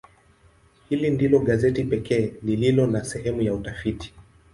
Hili ndilo gazeti pekee lililo na sehemu ya utafiti.